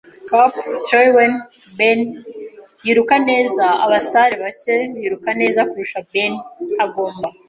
Cap'n Trelawney! Ben yiruka neza; abasare bake biruka neza kurusha Ben. Agomba